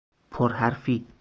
پر حرفی